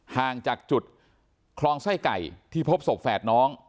ห่างจากจุดคลองไส้ไก่ที่พบศพแฝดน้อง